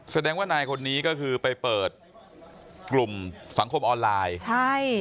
แสดงว่านายคนนี้ก็คือไปเปิดกลุ่มสังคมออนไลน์ใช่